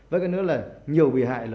với cái nữa là nhiều bị hại là